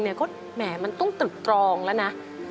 แหมมันต้องตรึกตรองแล้วนะ